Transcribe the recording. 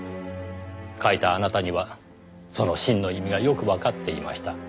書いたあなたにはその真の意味がよくわかっていました。